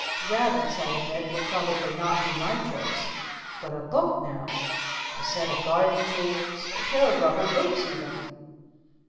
'Rabbits' I admit would probably not be my choice. But a book, now! A set of garden tools? A pair of rubber boots even?"